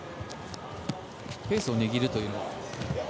ペースを握るというのは？